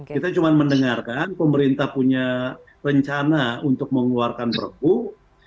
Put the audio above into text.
kita cuma mendengarkan pemerintah punya rencana untuk mengeluarkan perpu